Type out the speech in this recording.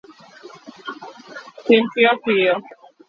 Tim piyo piyo